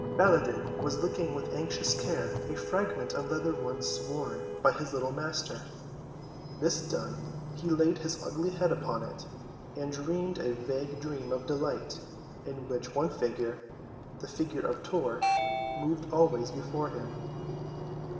Baladan was licking with anxious care a fragment of leather once worn by his little master. This done, he laid his ugly head upon it, and dreamed a vague dream of delight in which one figure—the figure of Tor—moved always before him.